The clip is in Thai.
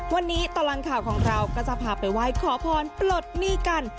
วันนี้ตลอดข่าวของเราก็จะพาไปไหว้ขอพรปลดหนี้กัน